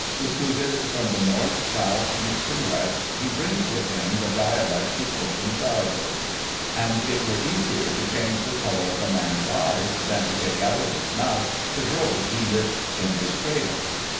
Recruited from the North, South, East, and West, he brings with him the dialect he spoke in childhood. And it were easier to change the colour of a man's eyes than to take out of his mouth the brogue he lisped in his cradle.